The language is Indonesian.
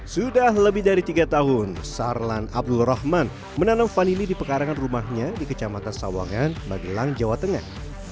sudah lebih dari tiga tahun sarlan abdul rahman menanam vanili di pekarangan rumahnya di kecamatan sawangan magelang jawa tengah